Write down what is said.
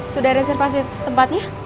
sudah reservasi tempatnya